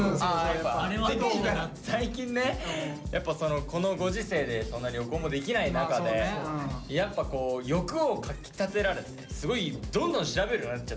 最近ねやっぱこのご時世でそんなに旅行もできない中でやっぱこう欲をかきたてられてすごいどんどん調べるようになっちゃったの。